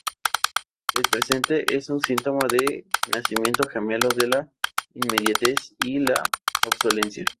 El presente es un síntoma del nacimiento gemelo de la inmediatez y la obsolescencia.